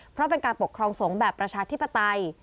เพราะเป็นการปกครองสงฆ์แบบประชาธิปไตย